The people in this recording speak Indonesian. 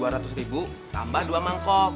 rp dua ratus ribu tambah dua mangkok